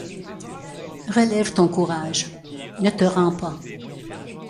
Relève ton courage, ne te rends pas.